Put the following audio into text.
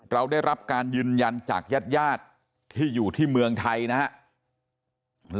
เราได้รับการยืนยันจากญาติญาติที่อยู่ที่เมืองไทยนะครับ